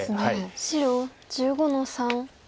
白１５の三ノビ。